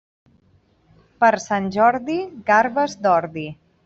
Per Sant Jordi, garbes d'ordi.